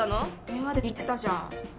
電話で言ってたじゃん。